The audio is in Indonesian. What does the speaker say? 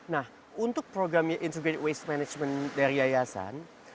nah untuk program integrated waste management dari yayasan